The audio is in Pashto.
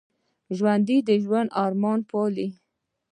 ژوندي د ژوند ارمان پالي